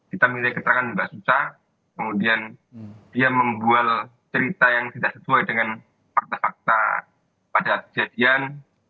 kita memiliki keterangan mbak susa kemudian dia membual cerita yang tidak sesuai dengan fakta fakta pada kejadian